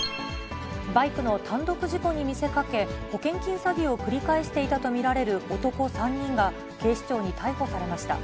バイクの単独事故に見せかけ、保険金詐欺を繰り返していたと見られる男３人が、警視庁に逮捕されました。